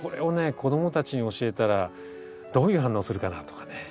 子供たちに教えたらどういう反応するかなとかね。